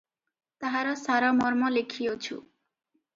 ତାହାର ସାରମର୍ମ ଲେଖିଅଛୁ ।